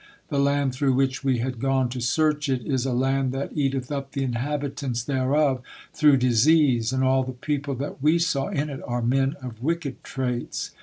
The land through which we had gone to search it is a land that eateth up the inhabitants thereof through disease; and all the people that we saw in it are men of wicked traits.